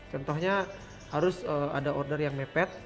contohnya harus ada order yang mepet